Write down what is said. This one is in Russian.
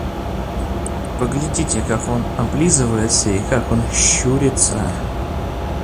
Поглядите, как он облизывается и как он щурится.